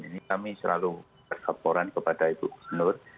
ini kami selalu persyaporan kepada ibu senur